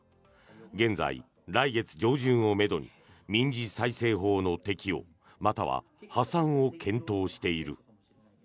現在、来月上旬をめどに民事再生法の適用または破産を検討している。